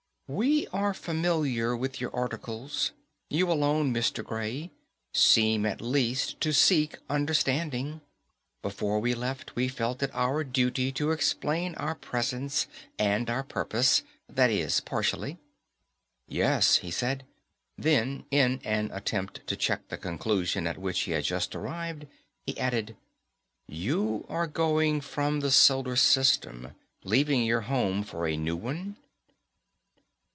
_We are familiar with your articles. You alone, Mr. Gray, seem at least to seek understanding. Before we left, we felt it our duty to explain our presence and our purpose that is, partially._ "Yes," he said. Then, in an attempt to check the conclusion at which he had just arrived, he added, "You are going from the Solar System leaving your home for a new one?"